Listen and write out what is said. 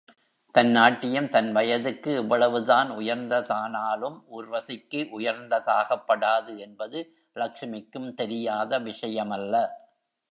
தன் நாட்டியம், தன் வயதுக்கு எவ்வளவுதான் உயர்ந்தானாலும், ஊர்வசிக்கு உயர்ந்ததாகப்படாது என்பது லக்ஷ்மிக்கும் தெரியாத விஷயமல்ல.